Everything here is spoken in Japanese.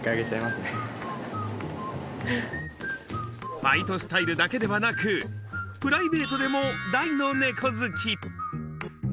ファイトスタイルだけではなく、プライベートでも大の猫好き。